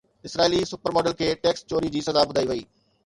اسرائيلي super model کي tax چوري جي سزا ٻڌائي وئي